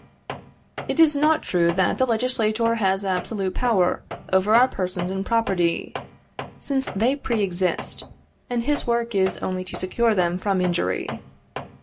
It is not true that the legislator has absolute power over our persons and property, since they pre exist, and his work is only to secure them from injury.